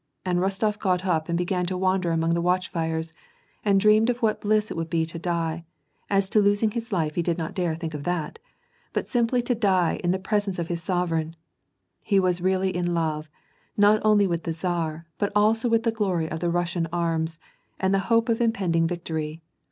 " and Rostof got up and be gan to wander among the watch fires, and dreamed of what bliss it would be to die — as to losing his life, he did not dare to think of that !— but simply to die in the presence pf his sov ereign. He was really in love, not only with the tsar, but also with the glory of the Russian arms, and the hope of im pending victory.